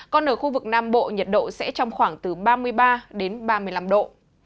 còn ở khu vực nam bộ nhiệt độ sẽ trong khoảng từ ba mươi ba đến ba mươi năm độ